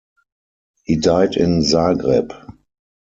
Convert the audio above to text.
He died in Zagreb.